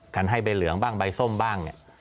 กันให้ใบเหลืองบ้างใบส้มบ้างเนี่ย